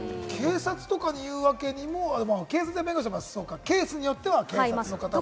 警察とかに言うわけにも、警察や弁護士もケースによってはね。